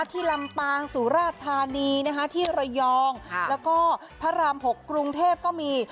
ลำปางสุราชธานีที่ระยองแล้วก็พระราม๖กรุงเทพก็มี